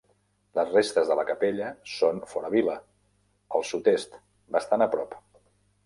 Les restes de la capella són fora vila, al sud-est, bastant a prop.